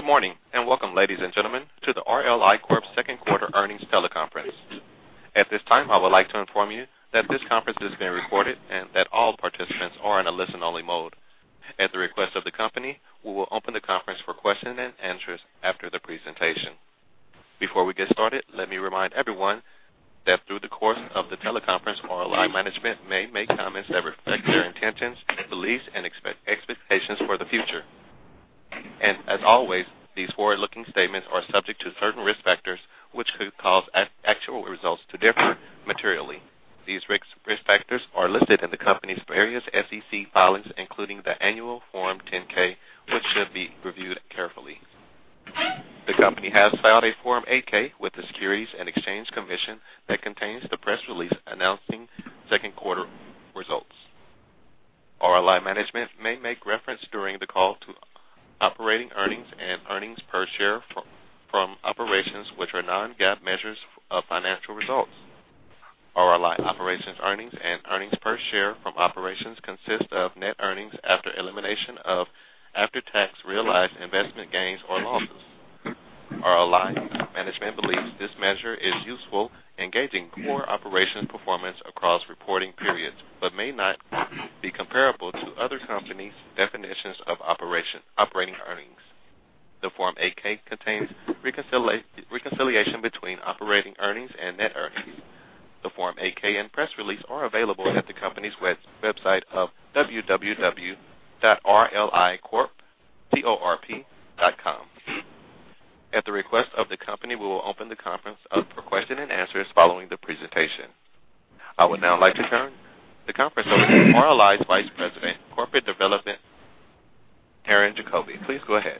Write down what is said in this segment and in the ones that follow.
Good morning, and welcome, ladies and gentlemen, to the RLI Corp.'s second quarter earnings teleconference. At this time, I would like to inform you that this conference is being recorded and that all participants are in a listen-only mode. At the request of the company, we will open the conference for question and answers after the presentation. Before we get started, let me remind everyone that through the course of the teleconference, RLI management may make comments that reflect their intentions, beliefs, and expectations for the future. As always, these forward-looking statements are subject to certain risk factors, which could cause actual results to differ materially. These risk factors are listed in the company's various SEC filings, including the annual Form 10-K, which should be reviewed carefully. The company has filed a Form 8-K with the Securities and Exchange Commission that contains the press release announcing second quarter results. RLI management may make reference during the call to operating earnings and earnings per share from operations which are non-GAAP measures of financial results. RLI operations earnings and earnings per share from operations consist of net earnings after elimination of after-tax realized investment gains or losses. RLI management believes this measure is useful in gauging core operations performance across reporting periods but may not be comparable to other companies' definitions of operating earnings. The Form 8-K contains reconciliation between operating earnings and net earnings. The Form 8-K and press release are available at the company's website of www.rlicorp.com. At the request of the company, we will open the conference up for question and answers following the presentation. I would now like to turn the conference over to RLI's Vice President of Corporate Development, Aaron Diefenthaler. Please go ahead.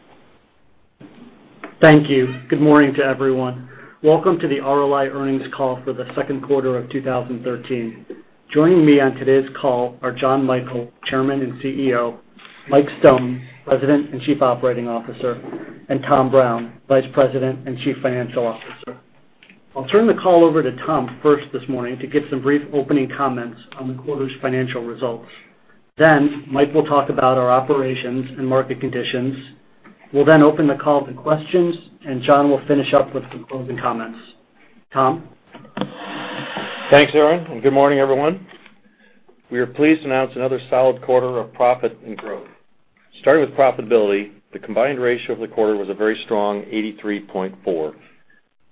Thank you. Good morning to everyone. Welcome to the RLI earnings call for the second quarter of 2013. Joining me on today's call are Jon Michel, Chairman and CEO, Michael Stone, President and Chief Operating Officer, and Thomas Brown, Vice President and Chief Financial Officer. I'll turn the call over to Tom first this morning to give some brief opening comments on the quarter's financial results. Mike will talk about our operations and market conditions. Jon will finish up with some closing comments. Tom? Thanks, Aaron, and good morning, everyone. We are pleased to announce another solid quarter of profit and growth. Starting with profitability, the combined ratio of the quarter was a very strong 83.4.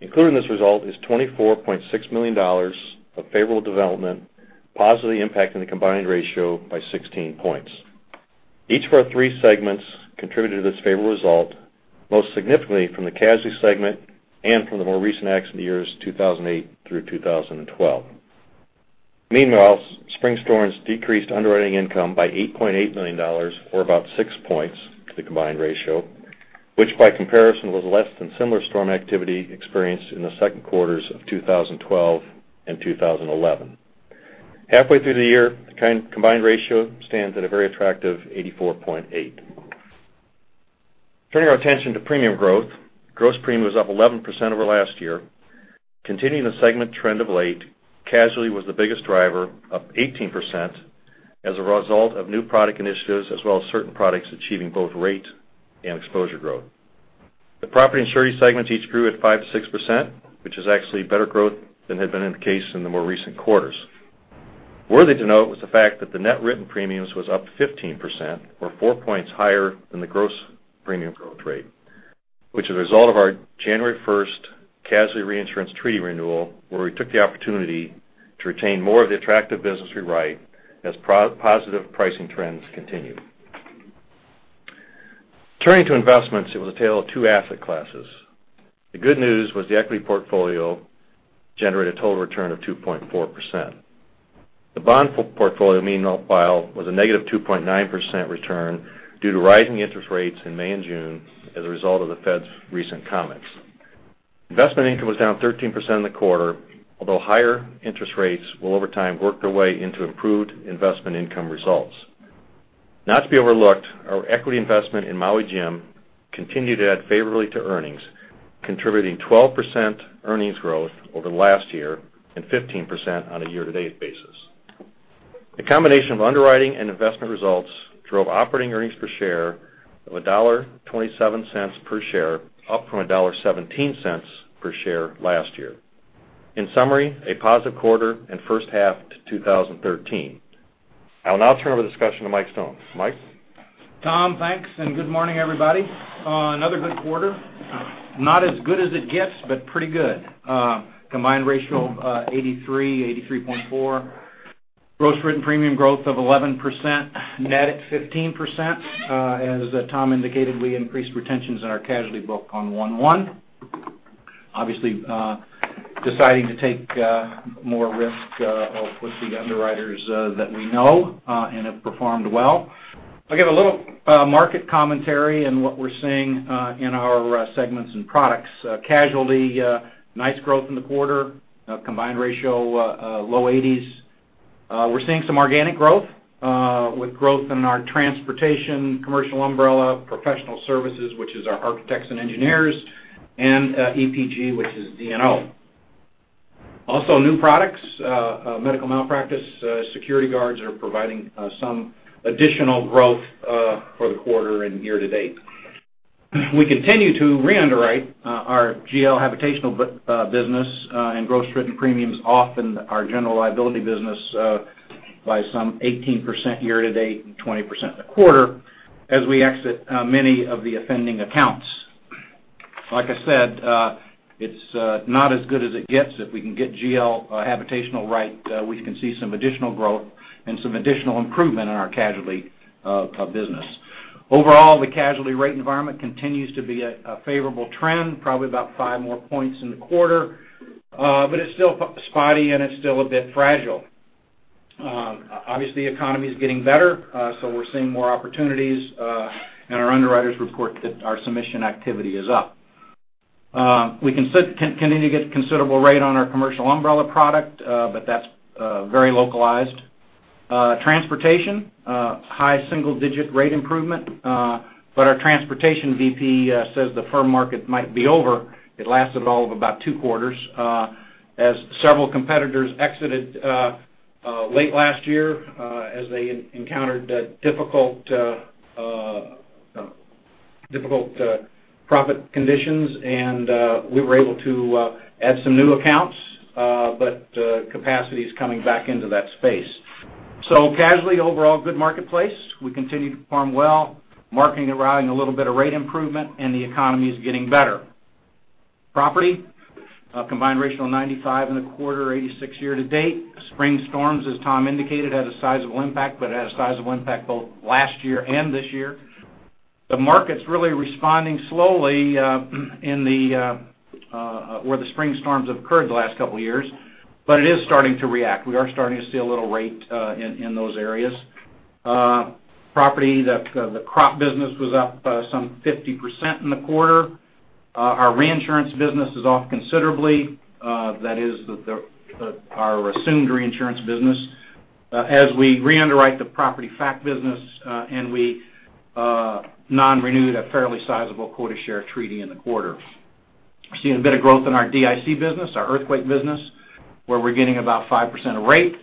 Included in this result is $24.6 million of favorable development, positively impacting the combined ratio by 16 points. Each of our three segments contributed to this favorable result, most significantly from the casualty segment and from the more recent accident years 2008 through 2012. Meanwhile, spring storms decreased underwriting income by $8.8 million or about six points to the combined ratio, which by comparison was less than similar storm activity experienced in the second quarters of 2012 and 2011. Halfway through the year, the combined ratio stands at a very attractive 84.8. Turning our attention to premium growth, gross premium was up 11% over last year. Continuing the segment trend of late, casualty was the biggest driver, up 18%, as a result of new product initiatives, as well as certain products achieving both rate and exposure growth. The property and surety segments each grew at 5%-6%, which is actually better growth than had been in the case in the more recent quarters. Worthy to note was the fact that the net written premiums was up 15%, or 4 points higher than the gross premium growth rate, which is a result of our January 1st casualty reinsurance treaty renewal, where we took the opportunity to retain more of the attractive business we write as positive pricing trends continue. Turning to investments, it was a tale of two asset classes. The good news was the equity portfolio generated a total return of 2.4%. The bond portfolio, meanwhile, was a negative 2.9% return due to rising interest rates in May and June as a result of the Fed's recent comments. Investment income was down 13% in the quarter, although higher interest rates will over time work their way into improved investment income results. Not to be overlooked, our equity investment in Maui Jim continued to add favorably to earnings, contributing 12% earnings growth over last year and 15% on a year-to-date basis. The combination of underwriting and investment results drove operating earnings per share of $1.27 per share, up from $1.17 per share last year. In summary, a positive quarter and first half to 2013. I will now turn over the discussion to Mike Stone. Mike? Tom, thanks, and good morning, everybody. Another good quarter. Not as good as it gets, but pretty good. Combined ratio 83.4. Gross written premium growth of 11%, net at 15%. As Tom indicated, we increased retentions in our casualty book on 1/1. Obviously, deciding to take more risk with the underwriters that we know and have performed well. I'll give a little market commentary and what we're seeing in our segments and products. Casualty, nice growth in the quarter, combined ratio low 80s. We're seeing some organic growth with growth in our transportation, commercial umbrella, professional services, which is our architects and engineers, and EPLI, which is D&O. Also new products, medical malpractice, security guards are providing some additional growth for the quarter and year to date. We continue to re-underwrite our GL habitational business and gross written premiums off in our general liability business by some 18% year to date and 20% in the quarter as we exit many of the offending accounts. Like I said, it's not as good as it gets. If we can get GL habitational right, we can see some additional growth and some additional improvement in our casualty business. Overall, the casualty rate environment continues to be a favorable trend, probably about 5 more points in the quarter. But it's still spotty, and it's still a bit fragile. Obviously, the economy's getting better, so we're seeing more opportunities, and our underwriters report that our submission activity is up. We continue to get considerable rate on our commercial umbrella product, but that's very localized. Transportation, high single-digit rate improvement, but our transportation VP says the firm market might be over. It lasted all of about two quarters, as several competitors exited late last year as they encountered difficult profit conditions. We were able to add some new accounts, capacity is coming back into that space. Casualty overall, good marketplace. We continue to perform well, marketing and writing a little bit of rate improvement. The economy is getting better. Property, a combined ratio of 95 in the quarter, 86 year-to-date. Spring storms, as Tom indicated, had a sizable impact. It had a sizable impact both last year and this year. The market's really responding slowly where the spring storms have occurred the last couple of years. It is starting to react. We are starting to see a little rate in those areas. Property, the crop business was up by some 50% in the quarter. Our reinsurance business is off considerably. That is our assumed reinsurance business. As we re-underwrite the property fac business, we non-renewed a fairly sizable quota share treaty in the quarter. Seeing a bit of growth in our DIC business, our earthquake business, where we're getting about 5% rate.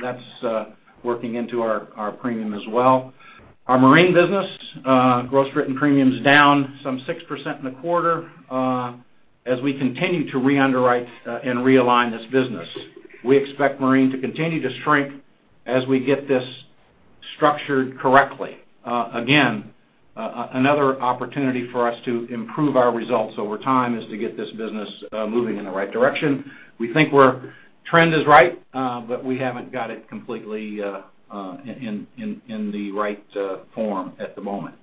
That's working into our premium as well. Our marine business, gross written premium's down some 6% in the quarter. As we continue to re-underwrite and realign this business, we expect marine to continue to shrink as we get this structured correctly. Again, another opportunity for us to improve our results over time is to get this business moving in the right direction. We think our trend is right. We haven't got it completely in the right form at the moment.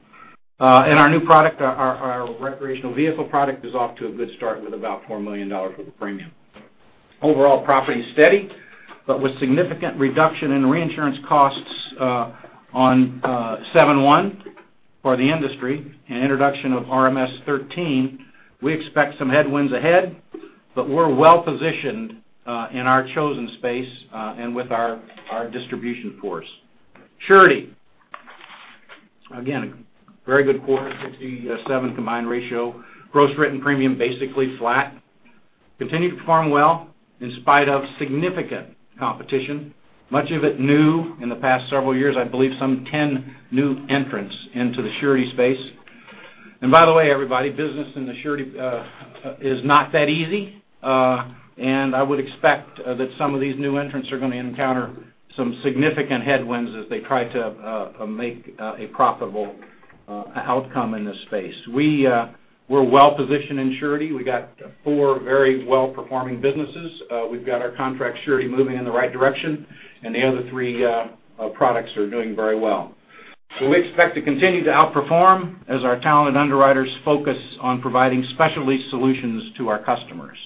Our new product, our recreational vehicle product, is off to a good start with about $4 million of premium. Overall, property is steady. With significant reduction in reinsurance costs on 7/1 for the industry and introduction of RMS 13, we expect some headwinds ahead. We're well-positioned in our chosen space and with our distribution force. Surety. Again, a very good quarter, 67 combined ratio. Gross written premium, basically flat. Continue to perform well in spite of significant competition, much of it new in the past several years. I believe some 10 new entrants into the surety space. By the way, everybody, business in the surety is not that easy. I would expect that some of these new entrants are going to encounter some significant headwinds as they try to make a profitable outcome in this space. We're well-positioned in surety. We got four very well-performing businesses. We've got our contract surety moving in the right direction. The other three products are doing very well. We expect to continue to outperform as our talented underwriters focus on providing specialty solutions to our customers.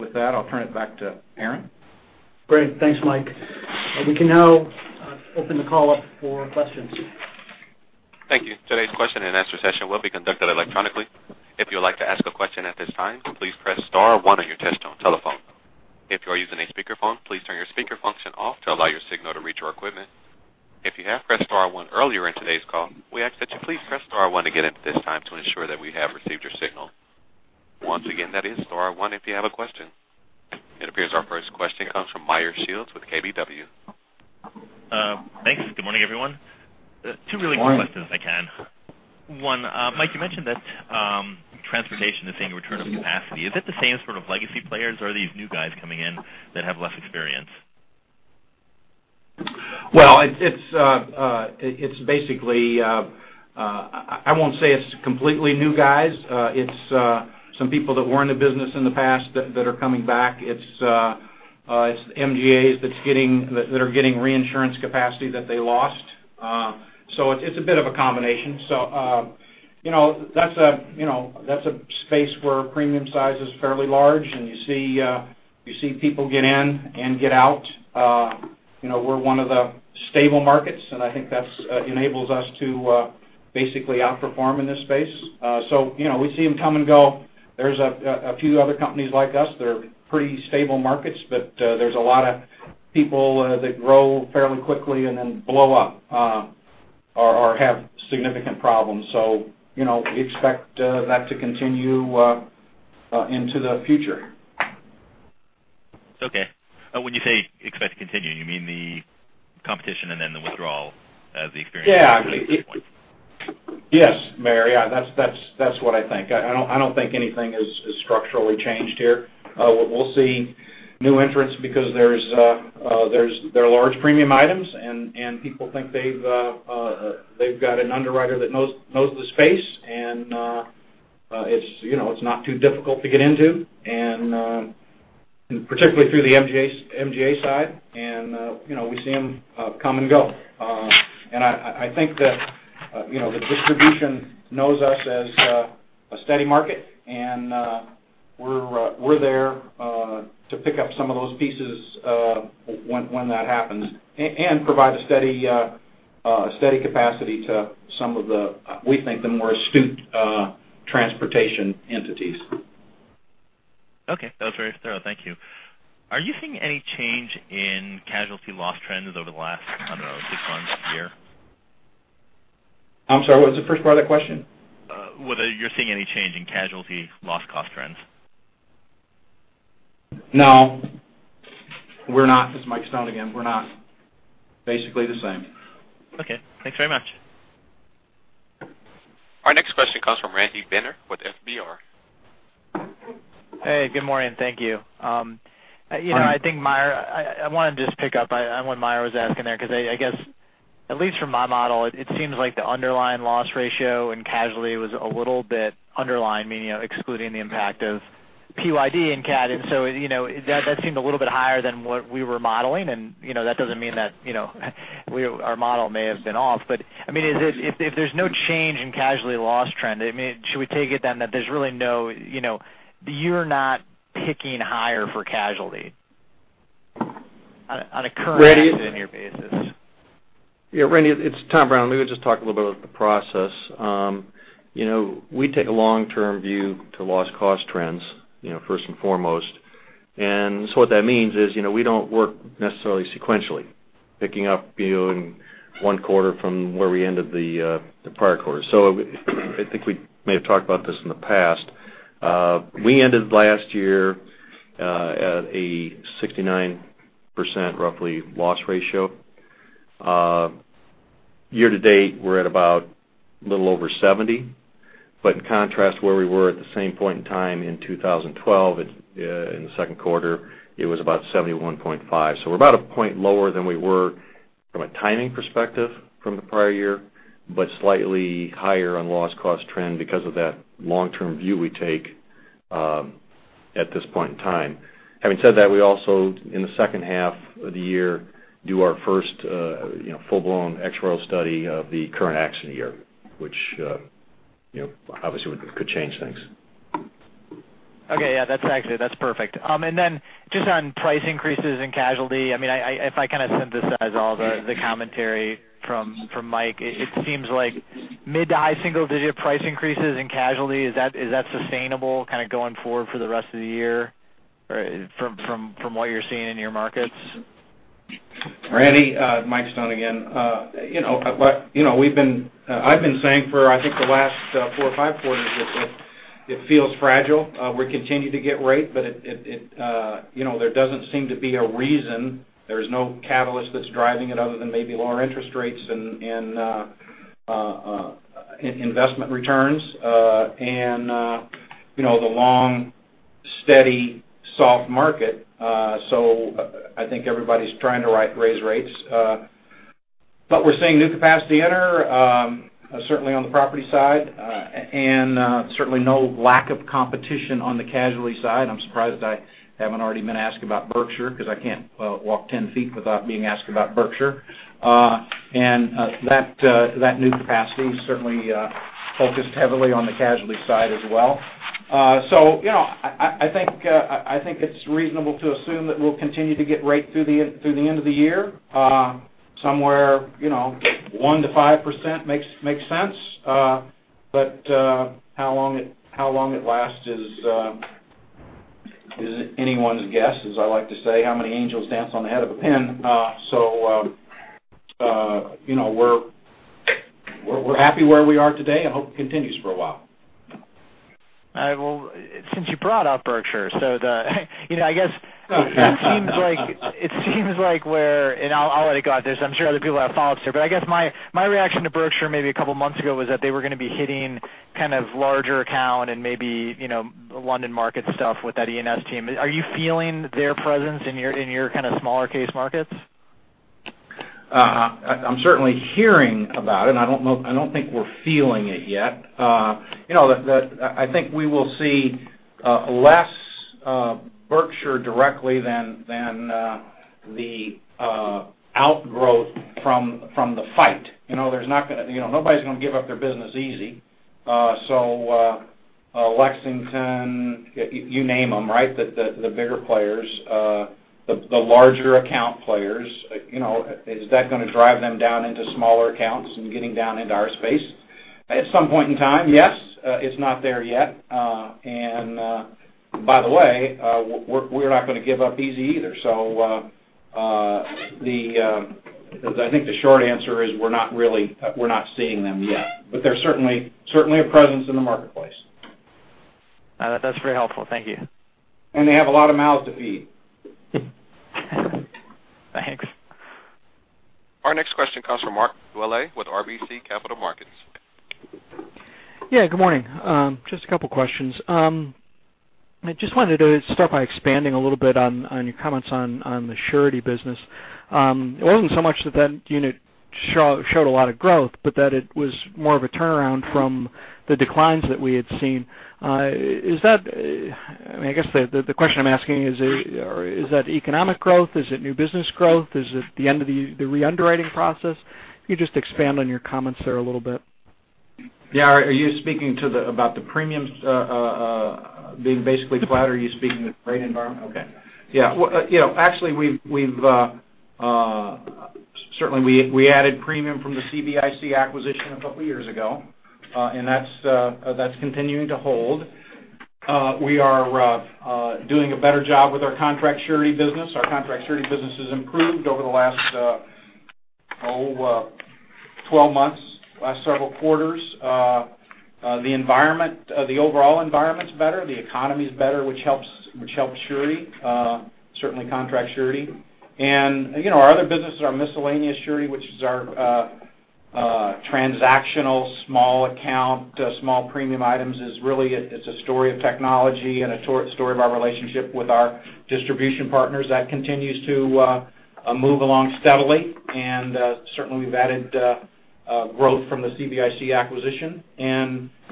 With that, I'll turn it back to Aaron. Great. Thanks, Mike. We can now open the call up for questions. Thank you. Today's question and answer session will be conducted electronically. If you would like to ask a question at this time, please press star one on your touchtone telephone. If you are using a speakerphone, please turn your speaker function off to allow your signal to reach our equipment. If you have pressed star one earlier in today's call, we ask that you please press star one again at this time to ensure that we have received your signal. Once again, that is star one if you have a question. It appears our first question comes from Meyer Shields with KBW. Thanks. Good morning, everyone. Two really quick questions, if I can. One, Mike, you mentioned that transportation is seeing a return of capacity. Is it the same sort of legacy players, or are these new guys coming in that have less experience? Well, I won't say it's completely new guys. It's some people that were in the business in the past that are coming back. It's MGAs that are getting reinsurance capacity that they lost. It's a bit of a combination. That's a space where premium size is fairly large, and you see people get in and get out. We're one of the stable markets, and I think that enables us to basically outperform in this space. We see them come and go. There's a few other companies like us that are pretty stable markets, but there's a lot of people that grow fairly quickly and then blow up. have significant problems. We expect that to continue into the future. Okay. When you say expect to continue, you mean the competition and then the withdrawal as the experience- Yes, Meyer, that's what I think. I don't think anything is structurally changed here. We'll see new entrants because there are large premium items, and people think they've got an underwriter that knows the space, and it's not too difficult to get into, and particularly through the MGA side. We see them come and go. I think that the distribution knows us as a steady market, and we're there to pick up some of those pieces when that happens, and provide a steady capacity to some of the, we think, the more astute transportation entities. Okay. That was very thorough. Thank you. Are you seeing any change in casualty loss trends over the last, I don't know, six months, a year? I'm sorry, what was the first part of that question? Whether you're seeing any change in casualty loss cost trends? No, we're not. This is Michael Stone again. We're not, basically the same. Okay. Thanks very much. Our next question comes from Randy Binner with FBR. Hey, good morning. Thank you. I want to just pick up on what Meyer was asking there, because I guess at least from my model, it seems like the underlying loss ratio in casualty was a little bit underlying, meaning excluding the impact of PYD and cat. That seemed a little bit higher than what we were modeling, and that doesn't mean that our model may have been off. If there's no change in casualty loss trend, should we take it then that there's really no you're not picking higher for casualty on a current year basis? Yeah, Randy, it's Thomas Brown. Let me just talk a little bit about the process. We take a long-term view to loss cost trends, first and foremost. What that means is, we don't work necessarily sequentially, picking up one quarter from where we ended the prior quarter. I think we may have talked about this in the past. We ended last year at a 69%, roughly, loss ratio. Year to date, we're at about a little over 70. In contrast, where we were at the same point in time in 2012 in the second quarter, it was about 71.5. We're about a point lower than we were from a timing perspective from the prior year, but slightly higher on loss cost trend because of that long-term view we take at this point in time. Having said that, we also, in the second half of the year, do our first full-blown actuarial study of the current accident year, which obviously could change things. Okay. Yeah, that's actually perfect. Just on price increases in casualty, if I kind of synthesize all the commentary from Mike, it seems like mid to high single-digit price increases in casualty, is that sustainable going forward for the rest of the year? From what you're seeing in your markets? Randy, Mike Stone again. I've been saying for, I think the last four or five quarters, it feels fragile. We continue to get rate, there doesn't seem to be a reason. There's no catalyst that's driving it other than maybe lower interest rates and investment returns, and the long, steady, soft market. I think everybody's trying to raise rates. We're seeing new capacity enter, certainly on the property side, and certainly no lack of competition on the casualty side. I'm surprised I haven't already been asked about Berkshire, because I can't walk 10 feet without being asked about Berkshire. That new capacity is certainly focused heavily on the casualty side as well. I think it's reasonable to assume that we'll continue to get rate through the end of the year. Somewhere 1%-5% makes sense. How long it lasts is anyone's guess, as I like to say, how many angels dance on the head of a pin? We're happy where we are today and hope it continues for a while. All right. Well, since you brought up Berkshire, the I guess it seems like we're, I'll let it go out there, because I'm sure other people have follow-ups here. I guess my reaction to Berkshire, maybe a couple of months ago, was that they were going to be hitting kind of larger account and maybe London market stuff with that E&S team. Are you feeling their presence in your kind of smaller case markets? I'm certainly hearing about it. I don't think we're feeling it yet. I think we will see less Berkshire directly than the outgrowth from the fight. Nobody's going to give up their business easy. Lexington, you name them, right? The bigger players, the larger account players, is that going to drive them down into smaller accounts and getting down into our space? At some point in time, yes. It's not there yet. By the way, we're not going to give up easy either. I think the short answer is we're not seeing them yet. They're certainly a presence in the marketplace. That's very helpful. Thank you. They have a lot of mouths to feed. Thanks. Our next question comes from Mark Dwelle with RBC Capital Markets. Yeah, good morning. Just a couple questions. I just wanted to start by expanding a little bit on your comments on the surety business. It wasn't so much that that unit showed a lot of growth, but that it was more of a turnaround from the declines that we had seen. I guess the question I'm asking is that economic growth? Is it new business growth? Is it the end of the re-underwriting process? Can you just expand on your comments there a little bit? Yeah. Are you speaking about the premiums being basically flat, or are you speaking the rate environment? Okay. Yeah. Actually, certainly we added premium from the CBIC acquisition a couple of years ago. That's continuing to hold. We are doing a better job with our contract surety business. Our contract surety business has improved over the last 12 months, last several quarters. The overall environment's better. The economy's better, which helps surety, certainly contract surety. Our other businesses, our miscellaneous surety, which is our transactional small account, small premium items, is really, it's a story of technology and a story of our relationship with our distribution partners that continues to move along steadily. Certainly, we've added growth from the CBIC acquisition.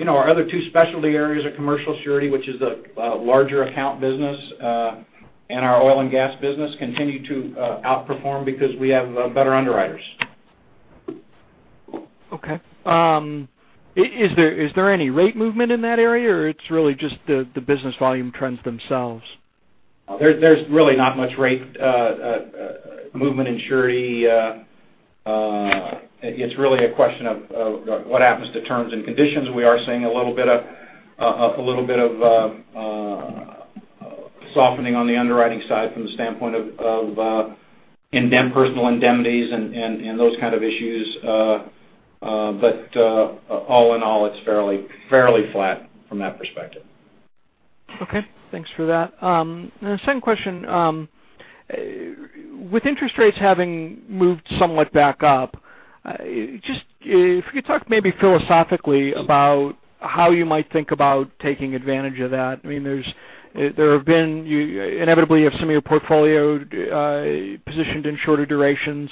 Our other two specialty areas are commercial surety, which is a larger account business, and our oil and gas business continue to outperform because we have better underwriters. Okay. Is there any rate movement in that area, or it's really just the business volume trends themselves? There's really not much rate movement in surety. It's really a question of what happens to terms and conditions. We are seeing a little bit of softening on the underwriting side from the standpoint of personal indemnities and those kind of issues. All in all, it's fairly flat from that perspective. Okay. Thanks for that. The second question, with interest rates having moved somewhat back up, if you could talk maybe philosophically about how you might think about taking advantage of that. There have been, inevitably, you have some of your portfolio positioned in shorter durations.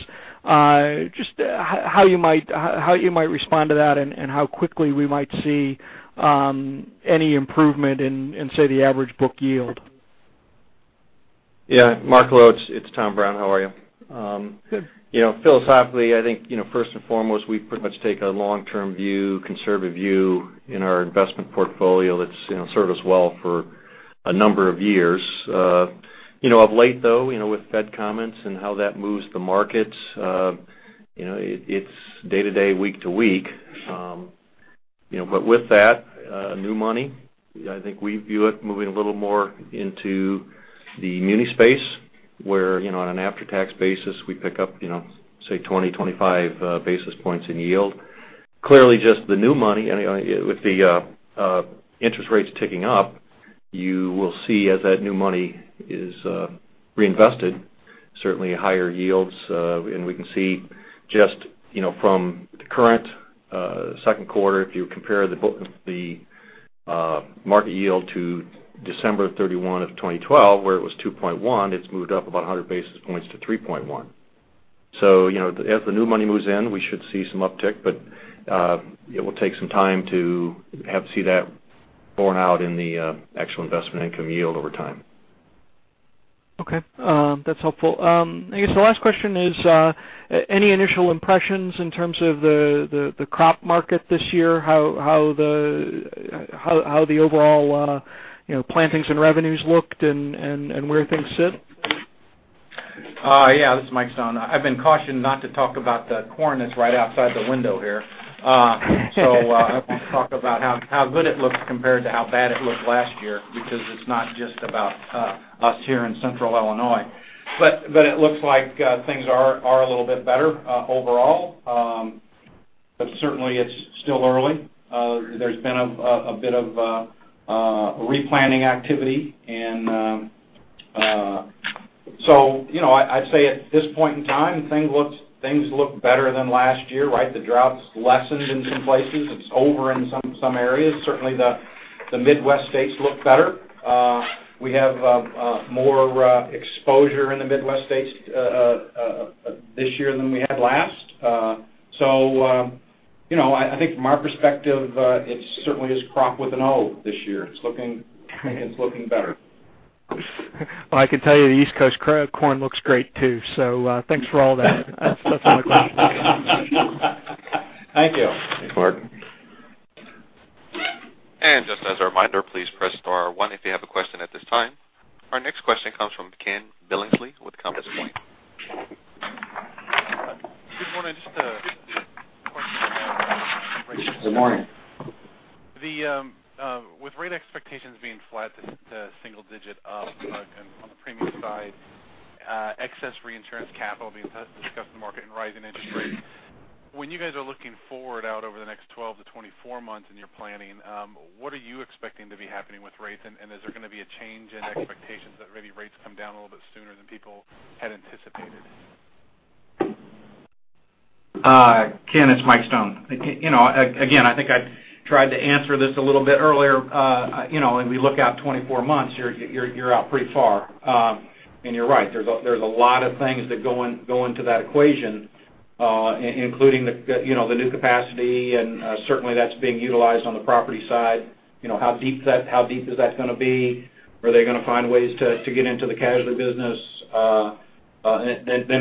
Just how you might respond to that, and how quickly we might see any improvement in, say, the average book yield. Yeah, Mark Dwelle, it's Thomas Brown. How are you? Good. Philosophically, I think first and foremost, we pretty much take a long-term view, conservative view in our investment portfolio that's served us well for a number of years. Of late, though, with Fed comments and how that moves the markets, it's day to day, week to week. With that, new money, I think we view it moving a little more into the muni space, where on an after-tax basis, we pick up, say 20, 25 basis points in yield. Clearly just the new money, with the interest rates ticking up, you will see as that new money is reinvested, certainly higher yields. We can see just from the current second quarter, if you compare the market yield to December 31 of 2012, where it was 2.1, it's moved up about 100 basis points to 3.1. As the new money moves in, we should see some uptick, but it will take some time to see that borne out in the actual investment income yield over time. Okay. That's helpful. I guess the last question is, any initial impressions in terms of the crop market this year? How the overall plantings and revenues looked and where things sit? Yeah. This is Michael Stone. I've been cautioned not to talk about the corn that's right outside the window here. I won't talk about how good it looks compared to how bad it looked last year, because it's not just about us here in Central Illinois. It looks like things are a little bit better overall. Certainly it's still early. There's been a bit of replanting activity. I'd say at this point in time, things look better than last year, right? The drought's lessened in some places. It's over in some areas. Certainly the Midwest states look better. We have more exposure in the Midwest states this year than we had last. I think from our perspective, it certainly is crop with an O this year. It's looking better. I can tell you the East Coast corn looks great too. Thanks for all that. That's my question. Thank you. Thanks, Mark. Just as a reminder, please press star one if you have a question at this time. Our next question comes from Ken Billingsley with Compass Point. Good morning. Just a question about rates. Good morning. With rate expectations being flat to single digit up on the premium side, excess reinsurance capital being discussed in the market and rising interest rates, when you guys are looking forward out over the next 12-24 months in your planning, what are you expecting to be happening with rates? Is there going to be a change in expectations that maybe rates come down a little bit sooner than people had anticipated? Ken, it's Michael Stone. Again, I think I tried to answer this a little bit earlier. When we look out 24 months, you're out pretty far. You're right, there's a lot of things that go into that equation, including the new capacity, certainly that's being utilized on the property side. How deep is that going to be? Are they going to find ways to get into the casualty business?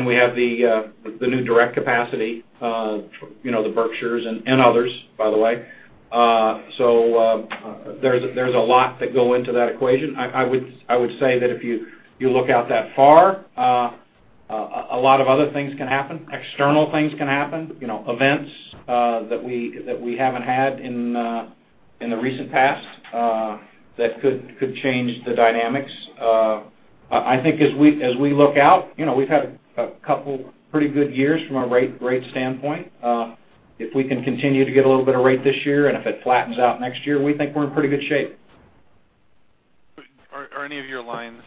We have the new direct capacity, the Berkshires and others, by the way. There's a lot that go into that equation. I would say that if you look out that far, a lot of other things can happen, external things can happen, events that we haven't had in the recent past that could change the dynamics. I think as we look out, we've had a couple pretty good years from a rate standpoint. If we can continue to get a little bit of rate this year, if it flattens out next year, we think we're in pretty good shape. Are any of your lines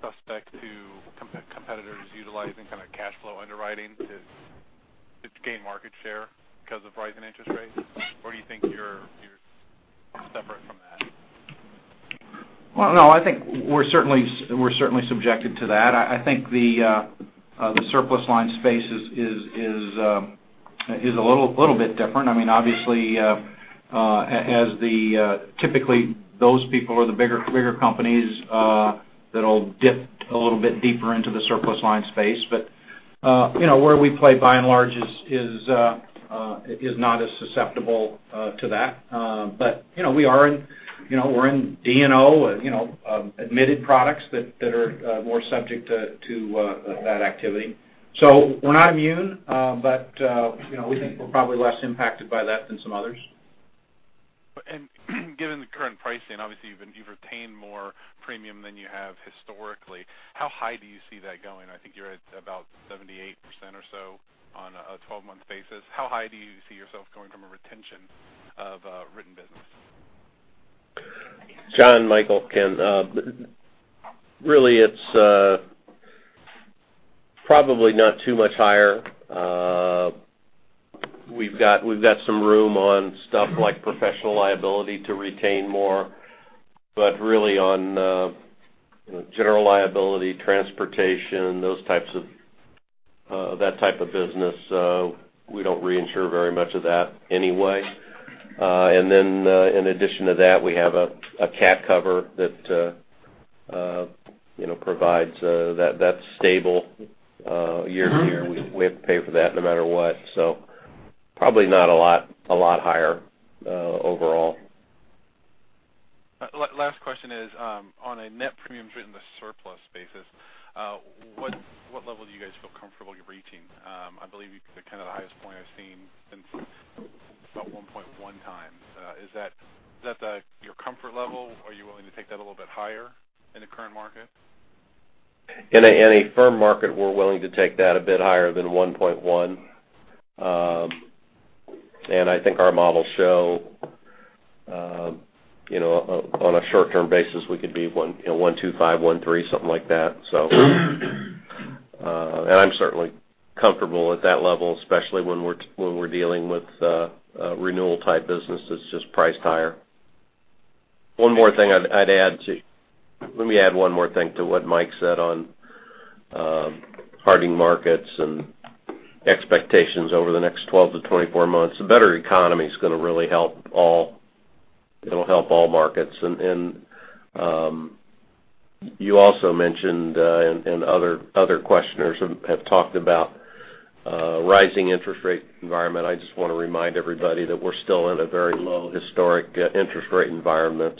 suspect to competitors utilizing kind of cashflow underwriting to gain market share because of rising interest rates? Do you think you're separate from that? Well, no, I think we're certainly subjected to that. I think the surplus line space is a little bit different. Obviously, typically those people are the bigger companies that'll dip a little bit deeper into the surplus line space. Where we play by and large is not as susceptible to that. We're in D&O, admitted products that are more subject to that activity. We're not immune, but we think we're probably less impacted by that than some others. Given the current pricing, obviously you've retained more premium than you have historically. How high do you see that going? I think you're at about 78% or so on a 12-month basis. How high do you see yourself going from a retention of written business? Jon Michael, Ken. It's probably not too much higher. We've got some room on stuff like professional liability to retain more, but really on general liability, transportation, that type of business, we don't reinsure very much of that anyway. In addition to that, we have a cat cover that's stable year to year. We have to pay for that no matter what. Probably not a lot higher overall. Last question is, on a net premiums written versus surplus basis, what level do you guys feel comfortable reaching? I believe you're kind of the highest point I've seen since about 1.1 times. Is that your comfort level? Are you willing to take that a little bit higher in the current market? In a firm market, we're willing to take that a bit higher than 1.1. I think our models show on a short-term basis, we could be 1.25, 1.3, something like that. I'm certainly comfortable at that level, especially when we're dealing with renewal type business that's just priced higher. Let me add one more thing to what Mike said on hardening markets and expectations over the next 12 to 24 months. A better economy is going to really help all markets. You also mentioned, and other questioners have talked about rising interest rate environment. I just want to remind everybody that we're still in a very low historic interest rate environment.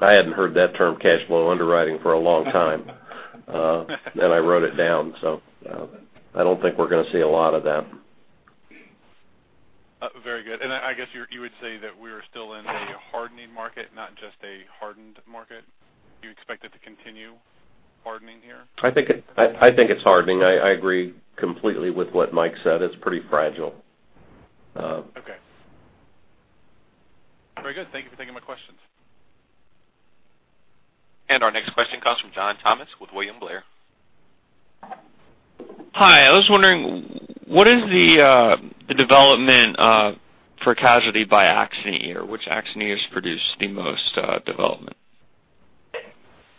I hadn't heard that term cashflow underwriting for a long time, and I wrote it down. I don't think we're going to see a lot of that. Very good. I guess you would say that we are still in a hardening market, not just a hardened market? Do you expect it to continue hardening here? I think it's hardening. I agree completely with what Mike said. It's pretty fragile. Okay. Very good. Thank you for taking my questions. Our next question comes from John Thomas with William Blair. Hi, I was wondering, what is the development for casualty by accident year? Which accident years produced the most development?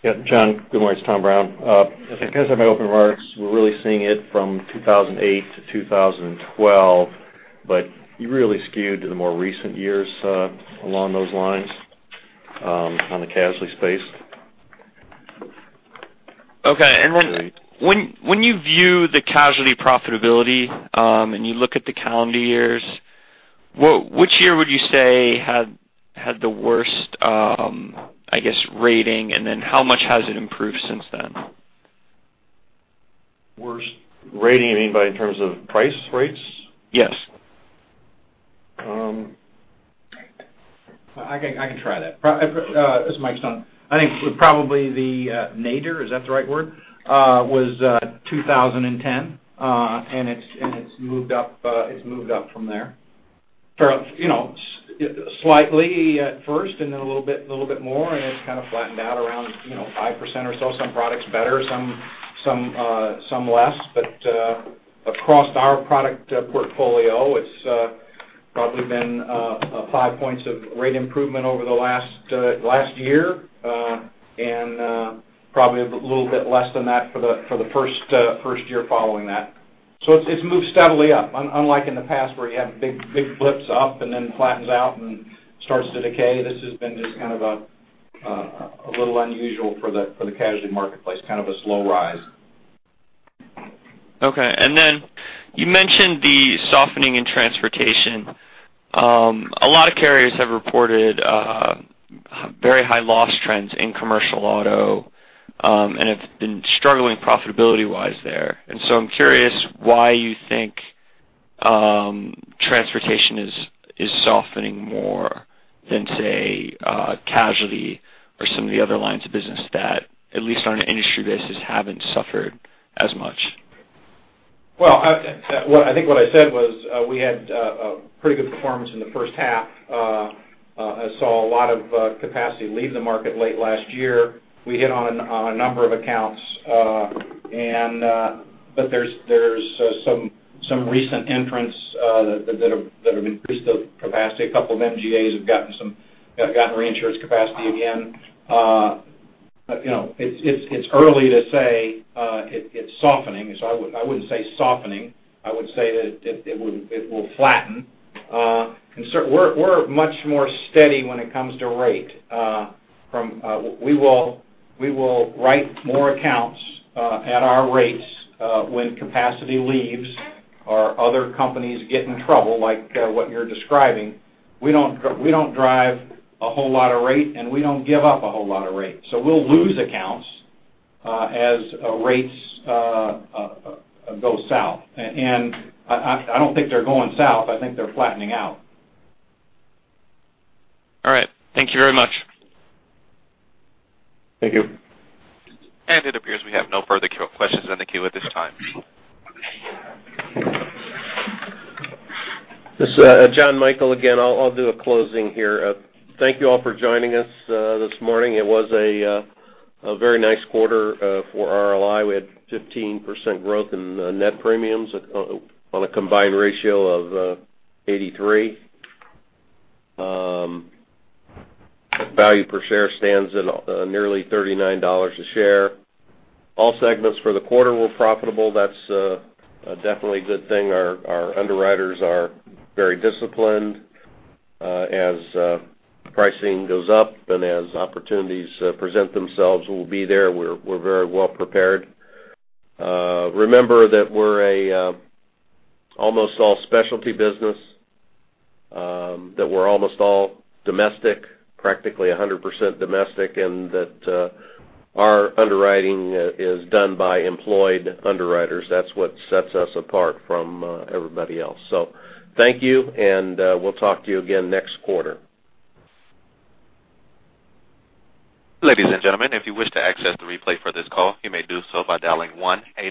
Yeah, John, good morning. It's Thomas Brown. As I said in my opening remarks, we're really seeing it from 2008 to 2012, you really skewed to the more recent years along those lines on the casualty space Okay. When you view the casualty profitability, you look at the calendar years, which year would you say had the worst, I guess, rating? How much has it improved since then? Worst rating, you mean by in terms of price rates? Yes. I can try that. This is Michael Stone. I think probably the nadir, is that the right word? Was 2010, it's moved up from there. Slightly at first then a little bit more, it's kind of flattened out around 5% or so. Some products better, some less. Across our product portfolio, it's probably been five points of rate improvement over the last year, probably a little bit less than that for the first year following that. It's moved steadily up, unlike in the past where you have big blips up then flattens out and starts to decay. This has been just kind of a little unusual for the casualty marketplace, kind of a slow rise. Okay. You mentioned the softening in transportation. A lot of carriers have reported very high loss trends in commercial auto, have been struggling profitability-wise there. I'm curious why you think transportation is softening more than, say, casualty or some of the other lines of business that, at least on an industry basis, haven't suffered as much. Well, I think what I said was, we had a pretty good performance in the first half. I saw a lot of capacity leave the market late last year. We hit on a number of accounts, there's some recent entrants that have increased the capacity. A couple of MGAs have gotten reinsurance capacity again. It's early to say it's softening, I wouldn't say softening. I would say that it will flatten. We're much more steady when it comes to rate. We will write more accounts at our rates when capacity leaves or other companies get in trouble, like what you're describing. We don't drive a whole lot of rate, we don't give up a whole lot of rate. We'll lose accounts as rates go south, I don't think they're going south. I think they're flattening out. All right. Thank you very much. Thank you. It appears we have no further questions in the queue at this time. This is Jonathan Michael again. I'll do a closing here. Thank you all for joining us this morning. It was a very nice quarter for RLI. We had 15% growth in net premiums on a combined ratio of 83. Value per share stands at nearly $39 a share. All segments for the quarter were profitable. That's definitely a good thing. Our underwriters are very disciplined. As pricing goes up and as opportunities present themselves, we'll be there. We're very well prepared. Remember that we're almost all specialty business, that we're almost all domestic, practically 100% domestic, and that our underwriting is done by employed underwriters. That's what sets us apart from everybody else. Thank you, and we'll talk to you again next quarter. Ladies and gentlemen, if you wish to access the replay for this call, you may do so by dialing 1 8-